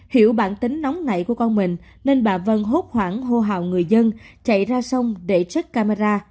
hiểu bản tính nóng nảy của con mình nên bà vân hốt hoảng hô hào người dân chạy ra sông để trích camera